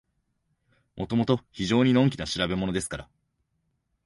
もともと非常にのんきな調べものですから、